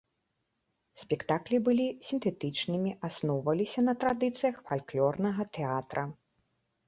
Спектаклі былі сінтэтычнымі, асноўваліся на традыцыях фальклорнага тэатра.